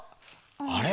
あれ？